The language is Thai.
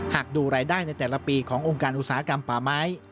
หากดูรายได้ในแต่ละปีขององค์การอุตสาหกรรมป่าไม้